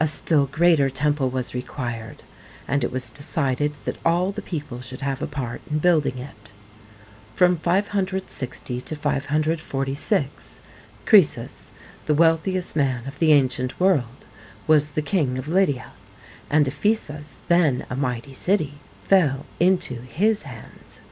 A still greater temple was required, and it was decided that all the people should have a part in building it. From 560 to 546, Croesus, the wealthiest man of the ancient world, was the King of Lydia, and Ephesus, then a mighty jcity, fell into his hands.